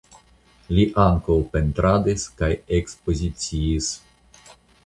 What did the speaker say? Li ankaŭ pentradis kaj ekspoziciis.